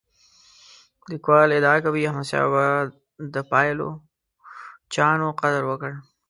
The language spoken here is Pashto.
لیکوال ادعا کوي احمد شاه بابا د پایلوچانو قدر وکړ.